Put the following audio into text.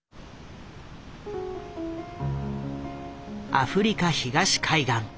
アフリカ東海岸。